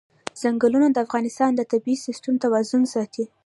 ځنګلونه د افغانستان د طبعي سیسټم توازن ساتي.